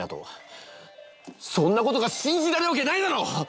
そんなことが信じられるわけないだろ！